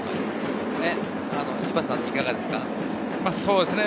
井端さん、いかがですか？